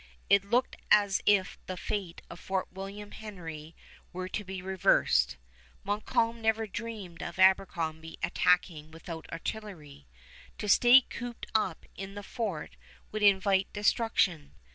It looked as if the fate of Fort William Henry were to be reversed. Montcalm never dreamed of Abercrombie attacking without artillery. To stay cooped up in the fort would invite destruction.